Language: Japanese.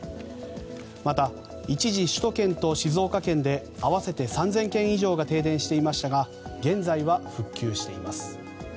また一時、首都圏と静岡県で合わせて３０００軒以上が停電していましたが現在は復旧しています。